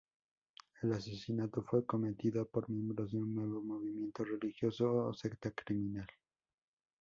El asesinato fue cometido por miembros de un nuevo movimiento religioso o secta criminal.